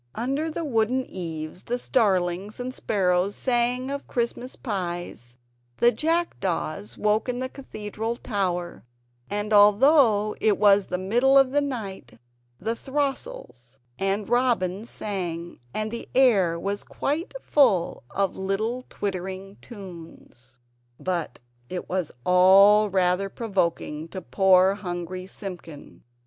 Under the wooden eaves the starlings and sparrows sang of Christmas pies; the jackdaws woke up in the Cathedral tower; and although it was the middle of the night the throstles and robins sang; and air was quite full of little twittering tunes. But it was all rather provoking to poor hungry Simpkin.